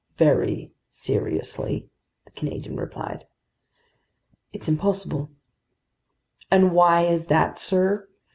"Very seriously," the Canadian replied. "It's impossible." "And why is that, sir?